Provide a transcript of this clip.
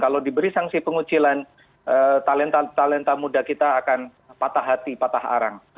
kalau diberi sanksi pengucilan talenta talenta muda kita akan patah hati patah arang